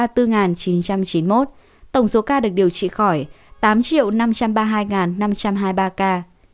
tổng số ca được điều trị khỏi tám năm trăm ba mươi hai năm trăm hai mươi ba ca